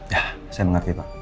ya saya mengerti pak